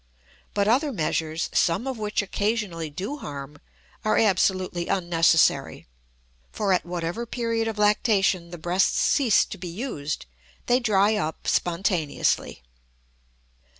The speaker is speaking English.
But other measures, some of which occasionally do harm, are absolutely unnecessary, for, at whatever period of lactation the breasts cease to be used, they dry up spontaneously.